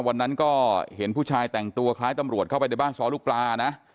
วันนั้นก็เห็นผู้ชายแต่งตัวคล้ายตำรวจเข้าไปในบ้านซ้อลูกปลานะ